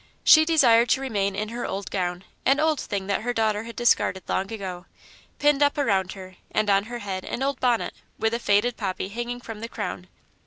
She desired to remain in her old gown an old thing that her daughter had discarded long ago pinned up around her, and on her head an old bonnet with a faded poppy hanging from the crown.